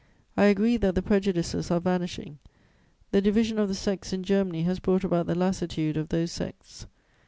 I agree that the prejudices are vanishing; the division of the sects in Germany has brought about the lassitude of those sects.